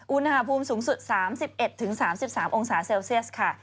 อุณหภูมิสูงสุด๓๑๓๓องศาเซลเซียสค่ะ